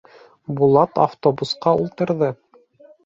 Булат автобусҡа ултырҙы.